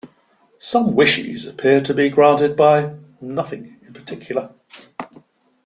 Some wishes appear to be granted by nothing in particular.